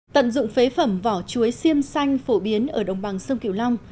tận dụng phế phẩm vỏ chuối xiêm xanh phổ biến ở đồng bằng sông kiều long